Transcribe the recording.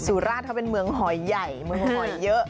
สุราชเขาเป็นเมืองหอยใหญ่เมืองหอยเยอะ